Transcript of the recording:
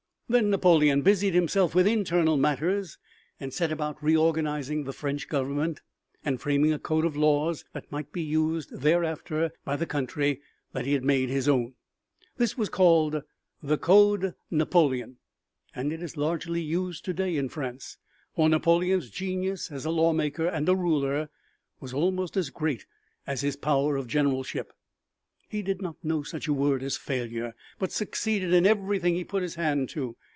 Then Napoleon busied himself with internal matters and set about reorganizing the French Government and framing a code of laws that might be used thereafter by the country that he had made his own. This was called the "Code Napoleon" and it is largely used to day in France, for Napoleon's genius as a lawmaker and a ruler was almost as great as his power of generalship. He did not know such a word as failure but succeeded in everything he put his hand to.